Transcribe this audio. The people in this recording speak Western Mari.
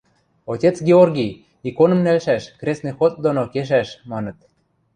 – Отец Георгий, иконым нӓлшӓш, крестный ход доно кешӓш, – маныт.